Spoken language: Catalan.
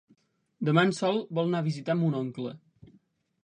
Demà en Sol vol anar a visitar mon oncle.